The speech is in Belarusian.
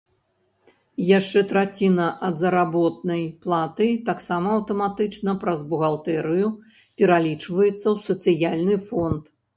Яшчэ траціна ад заработнай платы таксама аўтаматычна праз бухгалтэрыю пералічваецца ў сацыяльны фонд.